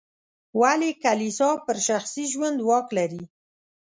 ولې کلیسا پر شخصي ژوند واک لري.